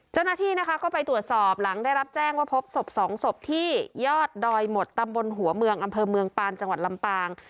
เจ้าหน้าที่นะคะก็ไปตรวจสอบหลังได้รับแจ้งว่าพบศพสองศพที่ยอดดอยหมดตำบลหัวเมืองอำเภอเมืองปานจังหวัดลำปาง